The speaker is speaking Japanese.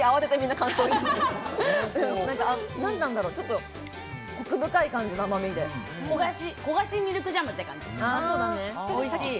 なんだろう、ちょっとコク深焦がしミルクジャムって感じ。